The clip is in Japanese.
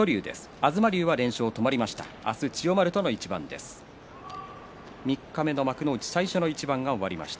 東龍は連勝が止まりました。